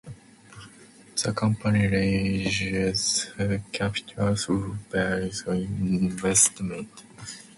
The company raised capital through private investment.